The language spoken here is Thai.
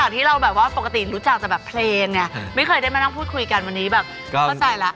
เขาเป็นคนสนุกสนานเนอะ